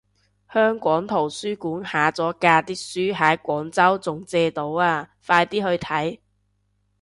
香港圖書館下咗架啲書喺廣州仲借到啊，快啲去睇